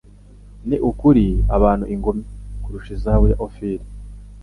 ni ukuri abantu ingume kurusha izahabu ya Ofili''.»